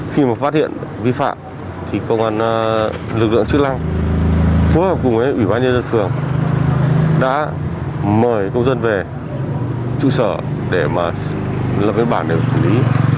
khi mà phát hiện vi phạm thì công an lực lượng chức năng phối hợp cùng với ủy ban nhân dân phường đã mời công dân về trụ sở để mà lập cái bản để xử lý